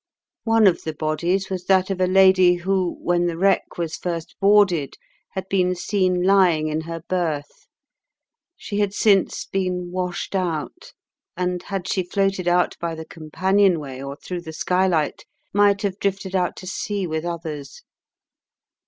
One of the bodies was that of a lady who, when the wreck was first boarded, had been seen lying in her berth. She had since been washed out, and had she floated out by the companion way or through the skylight might have drifted out to sea with others.